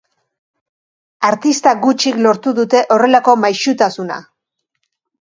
Artista gutxik lortu dute horrelako maisutasuna.